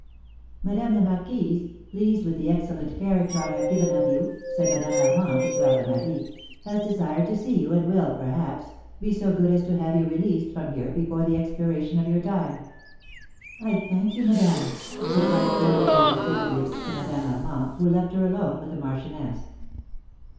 "Madame la Marquise, pleased with the excellent character I have given of you," said Madame Armand to Fleur de Marie, "has desired to see you, and will, perhaps, be so good as to have you released from here before the expiration of your time." "I thank you, madame," replied Fleur de Marie, timidly, to Madame Armand, who left her alone with the marchioness.